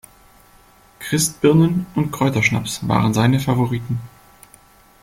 Christbirnen und Kräuterschnaps waren seine Favoriten.